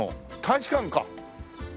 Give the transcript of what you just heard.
大使館か！